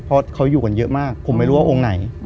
เพราะเขาอยู่กันเยอะมากผมไม่รู้ว่าองค์ไหน